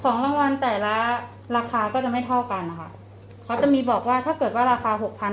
ของรางวัลแต่ละราคาก็จะไม่เท่ากันนะคะเขาจะมีบอกว่าถ้าเกิดว่าราคาหกพัน